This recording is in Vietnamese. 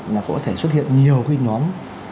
là có thể xuất hiện nhiều cái nhóm